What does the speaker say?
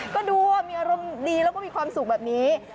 ก็ดูว่ามีอารมณ์ดีแล้วก็มีความสุขแบบนี้